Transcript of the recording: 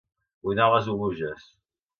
Vull anar a Les Oluges